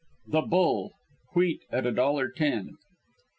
THE BULL WHEAT AT A DOLLAR TEN